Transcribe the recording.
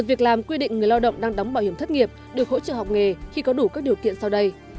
việc làm quy định người lao động đang đóng bảo hiểm thất nghiệp được hỗ trợ học nghề khi có đủ các điều kiện sau đây